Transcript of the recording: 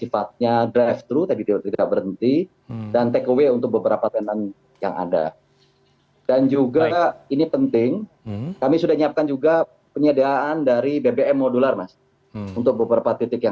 lalu kami sudah menyampaikan